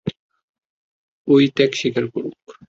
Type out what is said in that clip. ও-ই ত্যাগ স্বীকার করুক।